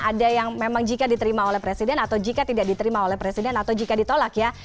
ada yang memang jika diterima oleh presiden atau jika tidak diterima oleh presiden atau jika ditolak ya